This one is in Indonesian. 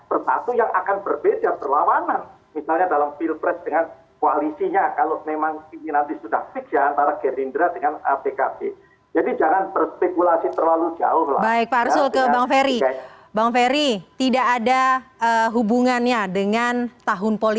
atau akan bertatu yang akan berbeda berlawanan